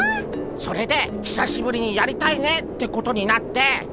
それでひさしぶりにやりたいねってことになって。